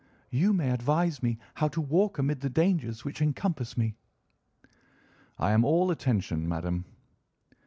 You may advise me how to walk amid the dangers which encompass me." "I am all attention, madam."